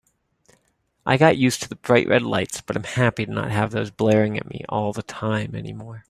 I got used to the bright red lights, but I'm happy to not have those blaring at me all the time anymore.